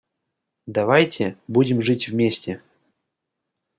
Давайте — будем жить вместе!